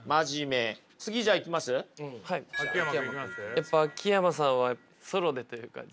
やっぱ秋山さんはソロでというか。